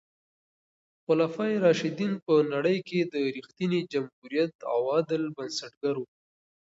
خلفای راشدین په نړۍ کې د رښتیني جمهوریت او عدل بنسټګر وو.